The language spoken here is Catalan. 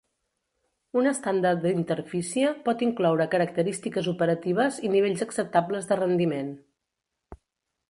Un estàndard d'interfície pot incloure característiques operatives i nivells acceptables de rendiment.